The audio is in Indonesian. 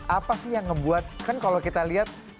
apa sih yang ngebuat kan kalau kita lihat